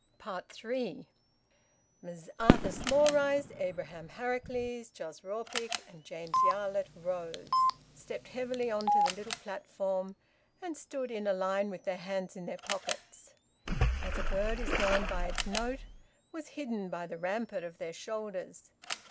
THREE. Messrs. Arthur Smallrice, Abraham Harracles, Jos Rawnpike, and James Yarlett rose, stepped heavily on to the little platform, and stood in a line with their hands in their pockets. "As a bird is known by its note " was hidden by the rampart of their shoulders.